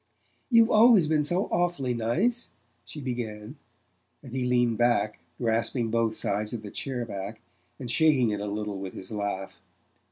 "You've always been so awfully nice," she began; and he leaned back, grasping both sides of the chair back, and shaking it a little with his laugh.